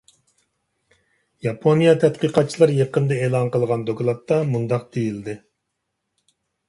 ياپونىيە تەتقىقاتچىلىرى يېقىندا ئېلان قىلغان دوكلاتتا مۇنداق دېيىلدى.